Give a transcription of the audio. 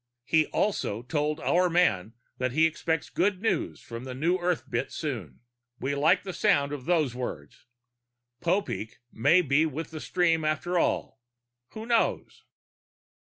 He also told our man that he expects good news on the New Earth bit soon. We like the sound of those words. Popeek may be with the stream after all. Who knows?